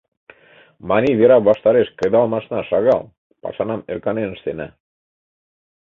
Марий вера ваштареш кредалмашна шагал, пашанам ӧрканен ыштена.